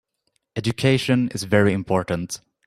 Education is very important.